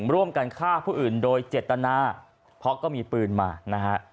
ร่วมกันฆ่าผู้อื่นโดยเจตนาเพราะก็มีปืนมานะฮะ